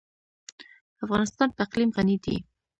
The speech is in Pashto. افغانستان په اقلیم غني دی.